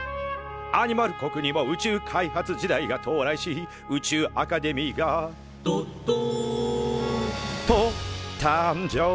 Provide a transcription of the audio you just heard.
アニマル国にも宇宙開発時代が到来し宇宙アカデミーが「どっどん」と誕生。